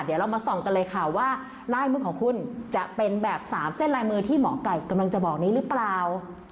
เดี๋ยวเรามาส่องกันเลยค่ะว่าลายมือของคุณจะเป็นแบบ๓เส้นลายมือที่หมอไก่กำลังจะบอกนี้หรือเปล่า